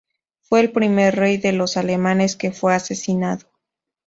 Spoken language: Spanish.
Fue el primer rey de los alemanes que fue asesinado.